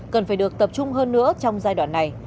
cần phải được tập trung hơn nữa trong giai đoạn này